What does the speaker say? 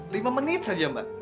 lima menit saja mbak